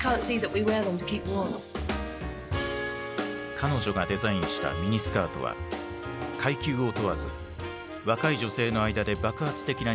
彼女がデザインしたミニスカートは階級を問わず若い女性の間で爆発的な人気を集めた。